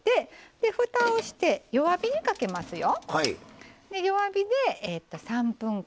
でふたをして弱火にかけますよ。